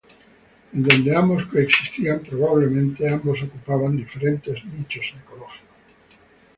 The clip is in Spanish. En donde ambos coexistían, probablemente ambos ocupaban diferentes nichos ecológicos.